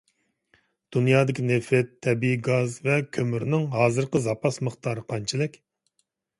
دۇنيادىكى نېفىت، تەبىئىي گاز ۋە كۆمۈرنىڭ ھازىرقى زاپاس مىقدارى قانچىلىك؟